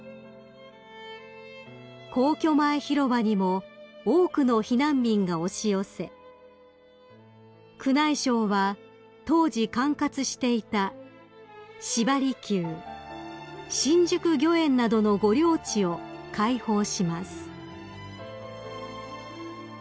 ［皇居前広場にも多くの避難民が押し寄せ宮内省は当時管轄していた芝離宮新宿御苑などの御料地を開放します］